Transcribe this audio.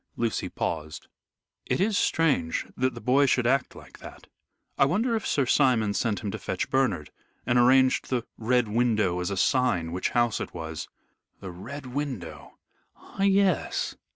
Lucy paused. "It is strange that the boy should act like that. I wonder if Sir Simon sent him to fetch Bernard, and arranged the Red Window as a sign which house it was?" "The Red Window. Ah yes!